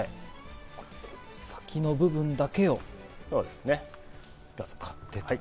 先の部分だけを使って。